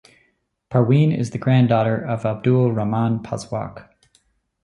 Parween is the grand daughter of Abdul Rahman Pazhwak.